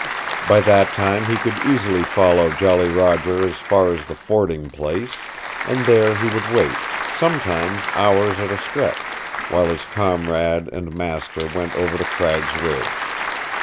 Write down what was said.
By that time he could easily follow Jolly Roger as far as the fording place, and there he would wait, sometimes hours at a stretch, while his comrade and master went over to Cragg's Ridge.